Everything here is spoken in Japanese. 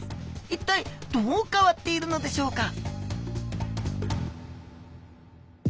一体どう変わっているのでしょうか？